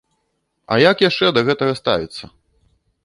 А як яшчэ да гэтага ставіцца?